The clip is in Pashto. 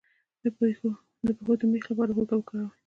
د پښو د میخ لپاره هوږه وکاروئ